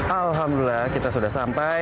alhamdulillah kita sudah sampai